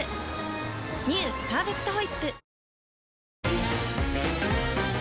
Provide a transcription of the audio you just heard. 「パーフェクトホイップ」